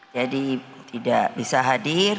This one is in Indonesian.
jadi tidak bisa hadir